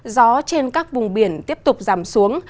gió trên các vùng biển tiếp tục giảm xuống